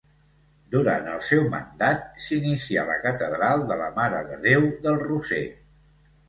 Durant el seu mandat, s'inicià la catedral de la Mare de Déu del Roser.